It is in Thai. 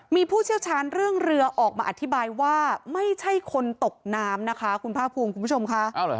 มีผู้เชี่ยวชาญเรื่องเรือออกมาอธิบายว่าไม่ใช่คนตกน้ำนะคะคุณภาคภูมิคุณผู้ชมค่ะ